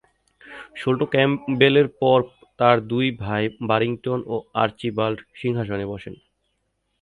শোল্টো ক্যাম্পবেলের পর তার দুই ভাই বারিংটন ও আর্চিবাল্ড সিংহাসনে বসেন।